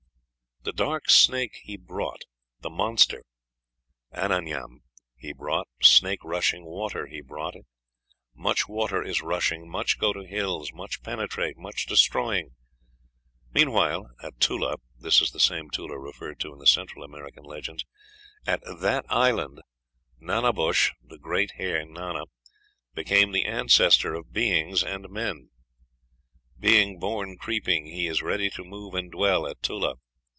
The dark snake he brought, the monster (Amanyam) he brought, snake rushing water he brought (it). Much water is rushing, much go to hills, much penetrate, much destroying. Meanwhile at Tula (this is the same Tula referred to in the Central American legends), at THAT ISLAND, Nana Bush (the great hare Nana) becomes the ancestor of beings and men. Being born creeping, he is ready to move and dwell at Tula.